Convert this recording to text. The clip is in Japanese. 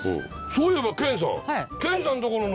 そういえば研さん。